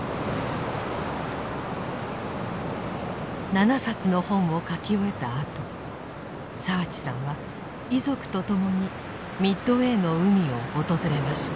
７冊の本を書き終えたあと澤地さんは遺族と共にミッドウェーの海を訪れました。